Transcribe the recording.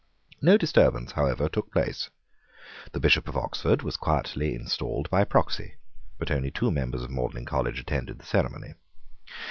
No disturbance however took place. The Bishop of Oxford was quietly installed by proxy: but only two members of Magdalene College attended the ceremony.